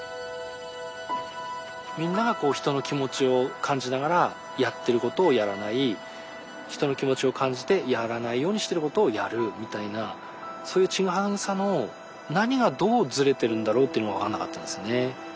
みんなが人の気持ちを感じながらやってることをやらない人の気持ちを感じてやらないようにしていることをやるみたいなそういうチグハグさの何がどうずれてるんだろうっていうのが分からなかったんですよね。